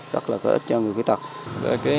rất là có ích cho người khuyết tật